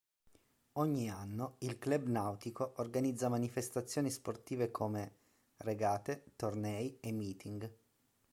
Ogni anno il Club Nautico organizza manifestazioni sportive come: regate, tornei e meeting.